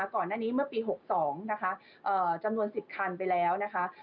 ก่อนหน้านี้เมื่อปี๖๒จำนวน๑๐คันไปแล้ว